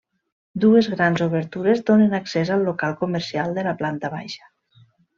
Dues grans obertures donen accés al local comercial de la planta baixa.